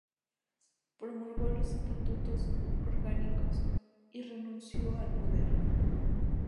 Promulgó los estatutos orgánicos y renunció al poder.